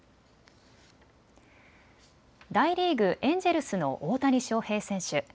大リーグ、エンジェルスの大谷翔平選手。